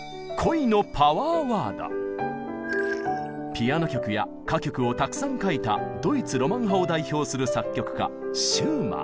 ピアノ曲や歌曲をたくさん書いたドイツ・ロマン派を代表する作曲家シューマン。